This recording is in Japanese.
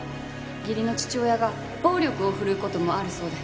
義理の父親が暴力を振るう事もあるそうで。